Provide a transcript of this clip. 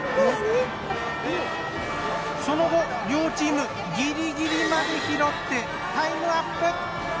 その後両チームギリギリまで拾ってタイムアップ。